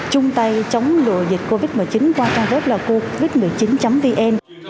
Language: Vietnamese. chung tay chống lổ dịch covid một mươi chín qua trang web là covid một mươi chín vn